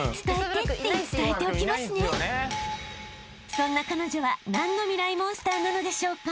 ［そんな彼女は何のミライ☆モンスターなのでしょうか？］